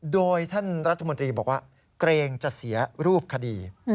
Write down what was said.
โดยท่านรัฐมนตรีบอกว่าเกรงจะเสียรูปคดี